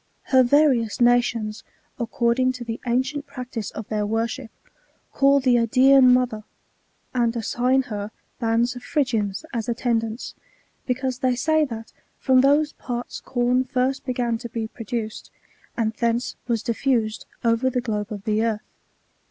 Her various nations, according to the ancient practice of their worship, call the Idsean mother, and assign her bands of Phrygians as attendants, because they say that from those parts com first began to be produced, and thence was diffused over the globe of the earth.